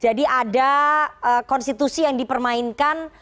jadi ada konstitusi yang dipermainkan